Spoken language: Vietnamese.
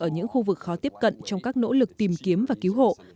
ở những khu vực khó tiếp cận trong các nỗ lực tìm kiếm và cứu hộ